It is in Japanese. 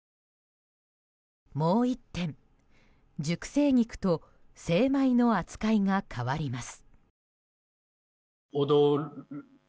もう１点、熟成肉と精米の扱いが変わります。